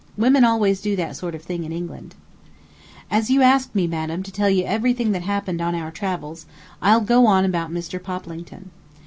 Women always do that sort of thing in England." As you asked me, madam, to tell you everything that happened on our travels, I'll go on about Mr. Poplington.